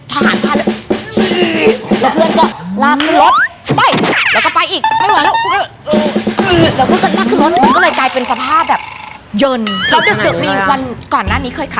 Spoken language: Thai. คานไปทหารคานเลยค่ะ